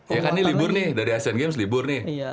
ya kan ini libur nih dari asean games libur nih